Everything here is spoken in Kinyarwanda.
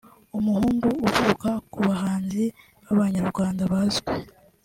umuhungu uvuka ku bahanzi b’Abanyarwanda bazwi